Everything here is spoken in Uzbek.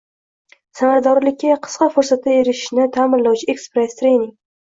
Samaradorlikka qisqa fursatda erishni ta’minlovchi ekspress trening